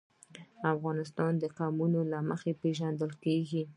افغانستان د قومونه له مخې پېژندل کېږي.